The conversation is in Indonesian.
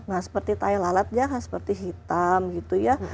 nah seperti tayang lalatnya seperti hitam gitu ya